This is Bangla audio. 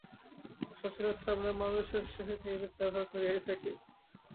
সচরাচর আমরা মানুষের সহিত এইরূপ ব্যবহারই করিয়া থাকি।